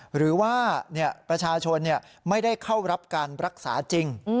หรือว่าประชาชนไม่ได้เข้ารับการรักษาจริง